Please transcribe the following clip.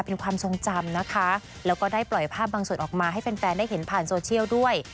เป็นความทรงจำนะคะแล้วก็ได้ปล่อยภาพบางส่วนออกมาให้แฟนได้เห็นผ่านโซเชียลด้วย